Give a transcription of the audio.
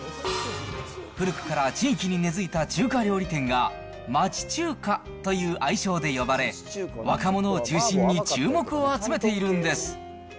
古くから地域に根づいた中華料理店が、町中華という愛称で呼ばれ、若者を中心に注目を集めているんです。